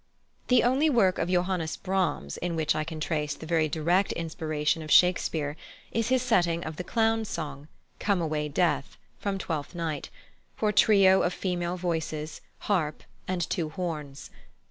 The only work of +Johannes Brahms+ in which I can trace the direct inspiration of Shakespeare is his setting of the Clown's song, "Come away, Death," from Twelfth Night, for trio of female voices, harp, and two horns.